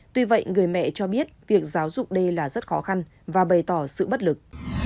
tuy vậy người mẹ cho biết việc giáo dục đê là rất khó khăn và bày tỏ sự bất lực